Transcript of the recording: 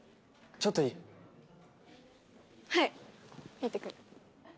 行ってくる。